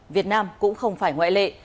việt nam cũng không phải ngoại lệ